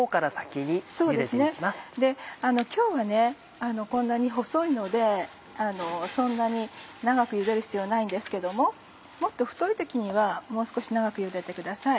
今日はこんなに細いのでそんなに長く茹でる必要はないんですけどももっと太い時にはもう少し長く茹でてください。